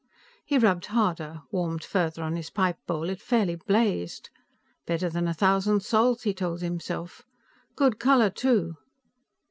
He rubbed harder; warmed further on his pipe bowl, it fairly blazed. Better than a thousand sols, he told himself. Good color, too.